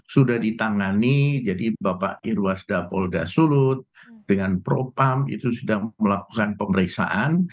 sudah ditangani jadi bapak irwasda polda sulut dengan propam itu sudah melakukan pemeriksaan